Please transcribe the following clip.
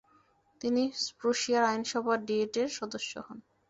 তিনি প্রুশিয়ার আইনসভা ডিয়েটের সদস্য হন।